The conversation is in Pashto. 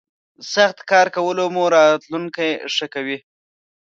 سخت کار کولو مو راتلوونکی ښه کوي.